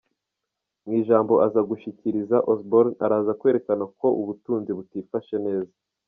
Mw'ijambo aza gushikiriza, Osborne araza kwerekana uko ubutunzi butifashe neza.